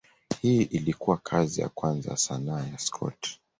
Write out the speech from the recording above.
Hii ilikuwa kazi ya kwanza ya sanaa ya Scott.